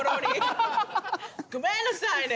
あごめんなさいね。